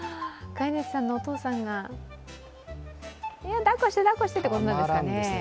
飼い主さんのお父さんが、だっこしてってなるんですかね。